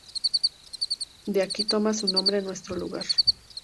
De aquí toma su nombre nuestro lugar.